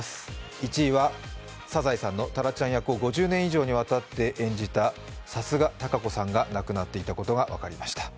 １位は「サザエさん」のタラちゃん役を５０年以上にわたって演じた貴家堂子さんが亡くなっていたことが分かりました。